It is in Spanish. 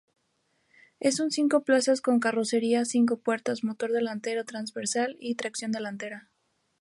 Es un cinco plazas con carrocería cinco puertas, motor delantero trasversal y tracción delantera.